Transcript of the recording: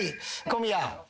小宮